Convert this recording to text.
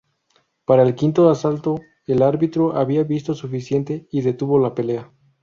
Para el quinto asalto, el árbitro había visto suficiente y detuvo la pelea.